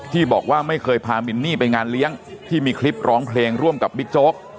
ที่บอกว่าไม่เคยพามินนี่ไปงานเลี้ยงที่มีคลิปร้องเพลงร่วมกับบิ๊กโจ๊ก